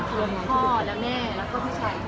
คนที่อยู่ที่สูงเราอยากดึงเขาลงมาเกี่ยวกับเรื่องนี้เลย